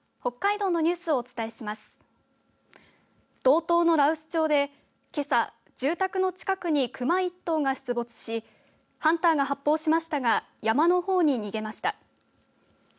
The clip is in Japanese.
道東の羅臼町でけさ住宅の近くにクマ１頭が出没しハンターが発砲しましたが山のほうに逃げました。